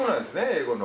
英語の。